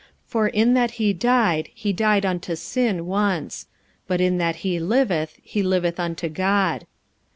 45:006:010 For in that he died, he died unto sin once: but in that he liveth, he liveth unto God.